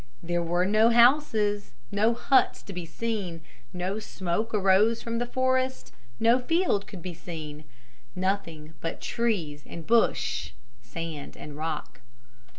There were no houses, no huts to be seen, no smoke arose from the forest, no field could be seen. Nothing but trees and bush, sand and rock.